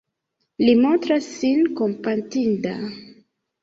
Li montras sin kompatinda.